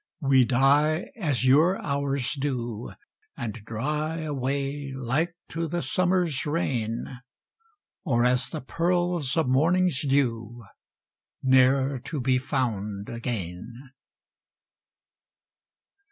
We die As your hours do, and dry Away Like to the summer's rain; Or as the pearls of morning's dew, Ne'er to be found again.